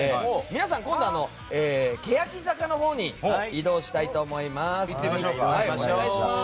皆さん、今度はケヤキ坂のほうに移動したいと思います。